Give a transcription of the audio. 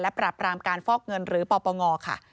ปราบรามการฟอกเงินหรือปปงค่ะ